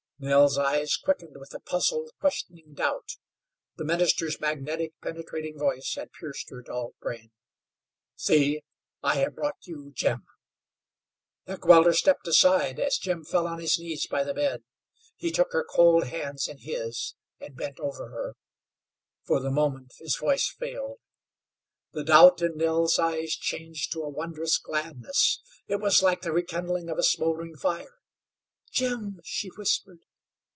Nell's eyes quickened with a puzzled, questioning doubt. The minister's magnetic, penetrating voice had pierced her dulled brain. "See, I have brought you Jim!" Heckewelder stepped aside as Jim fell on his knees by the bed. He took her cold hands in his and bent over her. For the moment his voice failed. The doubt in Nell's eyes changed to a wondrous gladness. It was like the rekindling of a smoldering fire. "Jim?" she whispered.